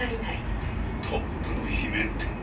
トップの罷免って。